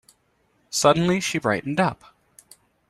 Suddenly she brightened up.